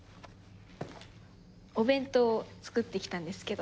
お弁当作ってきたんですけど。